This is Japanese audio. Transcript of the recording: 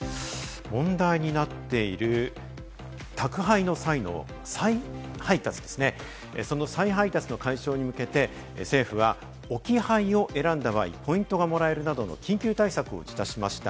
問題になっている宅配の際の再配達ですね、その再配達の解消に向けて、政府は置き配を選んだ場合、ポイントがもらえるなどの緊急対策を打ち出しました。